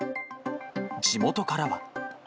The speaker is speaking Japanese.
地元からは。